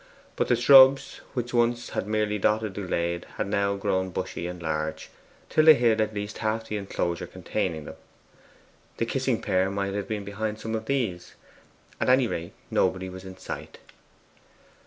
But the shrubs, which once had merely dotted the glade, had now grown bushy and large, till they hid at least half the enclosure containing them. The kissing pair might have been behind some of these; at any rate, nobody was in sight.